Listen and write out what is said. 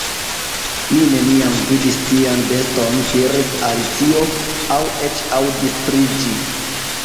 "Mi neniam vidis tian beston," diris Alicio, "aŭ eĉ aŭdis pri ĝi."